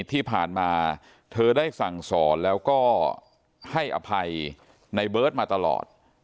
ที่ผ่านมาเธอได้สั่งสอนแล้วก็ให้อภัยในเบิร์ตมาตลอด